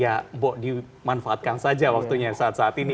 ya mbok dimanfaatkan saja waktunya saat saat ini